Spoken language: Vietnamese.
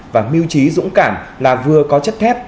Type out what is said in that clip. và miêu trí dũng cảm là vừa có chất thép